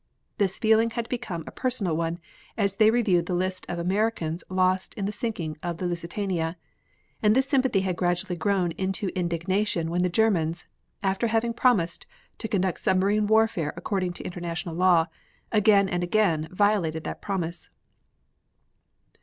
This feeling had become a personal one as they reviewed the lists of Americans lost in the sinking of the Lusitania, and this sympathy had gradually grown into indignation when the Germans, after having promised to conduct submarine warfare according to international law, again and again violated that promise.